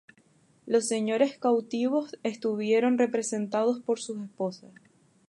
Los señores cautivos estuvieron representados por sus esposas.